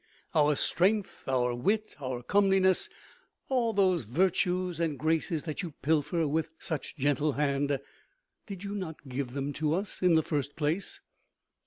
Our strength, our wit, our comeliness, all those virtues and graces that you pilfer with such gentle hand, did you not give them to us in the first place?